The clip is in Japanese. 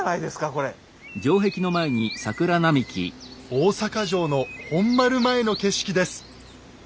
大坂城の本丸前の景色です。